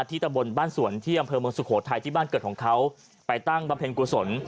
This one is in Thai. ตะบนบ้านสวนที่อำเภอเมืองสุโขทัยที่บ้านเกิดของเขาไปตั้งบำเพ็ญกุศล